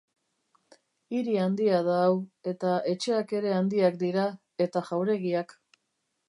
Hiri handia da hau, eta etxeak ere handiak dira, eta jauregiak.